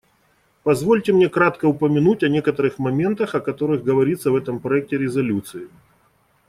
Позвольте мне кратко упомянуть о некоторых моментах, о которых говорится в этом проекте резолюции.